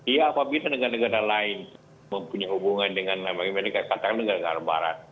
ya apabila negara negara lain mempunyai hubungan dengan bagaimana katakan dengan al qarbal